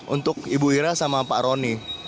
untuk ibu ira sama pak roni